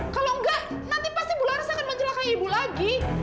kalau nggak nanti pasti bularas akan mencelakai ibu lagi